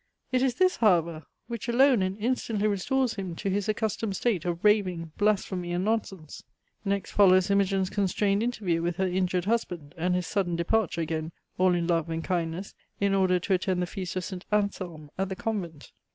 It is this, however, which alone and instantly restores him to his accustomed state of raving, blasphemy, and nonsense. Next follows Imogine's constrained interview with her injured husband, and his sudden departure again, all in love and kindness, in order to attend the feast of St. Anselm at the convent.